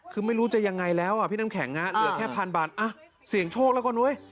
คือไม่รู้จะยังไงแล้วอ่ะพี่น้ำแข็งเหลือแค่พันบาทอ่ะเสี่ยงโชคแล้วก็เว้ย